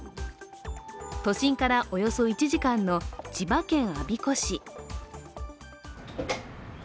都心からおよそ１時間の千葉県我孫子市。